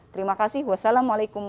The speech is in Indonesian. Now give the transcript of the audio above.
terima kasih wassalamualaikum wr wb